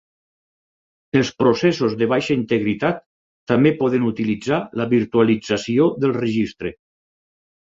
Els processos de baixa integritat també poden utilitzar la virtualització del registre.